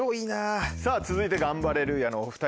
続いてガンバレルーヤのお２人。